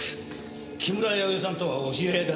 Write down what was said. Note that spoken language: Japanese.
木村弥生さんとはお知り合いだったんですか？